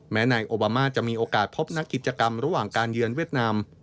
นายโอบามาจะมีโอกาสพบนักกิจกรรมระหว่างการเยือนเวียดนาม